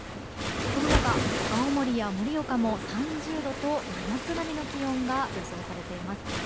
その他、青森や盛岡も３０度と真夏並みの気温が予想されています。